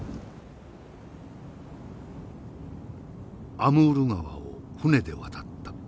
「アムール川を船で渡った。